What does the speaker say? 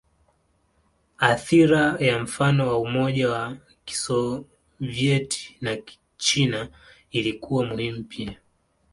Athira ya mfano wa Umoja wa Kisovyeti na China ilikuwa muhimu pia.